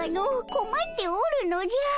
こまっておるのじゃ。